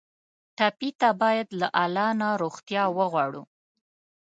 ټپي ته باید له الله نه روغتیا وغواړو.